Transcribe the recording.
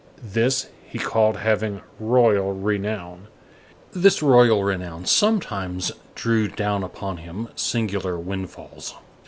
This he called having "royal renown." This royal renown sometimes drew down upon him singular windfalls.